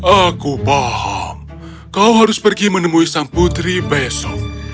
aku paham kau harus pergi menemui sang putri besok